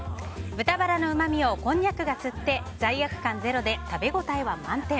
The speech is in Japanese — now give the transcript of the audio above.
豚バラのうまみをこんにゃくが吸って罪悪感ゼロで食べ応えは満点。